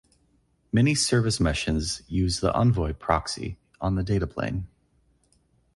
Many service meshes use the Envoy proxy on the data plane.